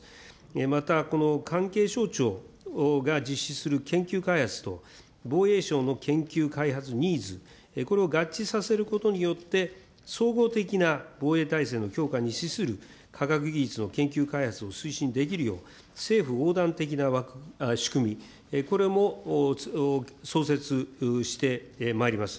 またこの関係省庁が実施する研究開発と、防衛省の研究開発ニーズ、これを合致させることによって、総合的な防衛体制の強化に資する科学技術の研究開発を推進できるよう、政府横断的な仕組み、これも創設してまいります。